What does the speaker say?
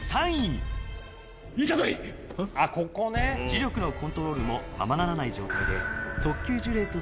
呪力のコントロールもままならない状態でうっ！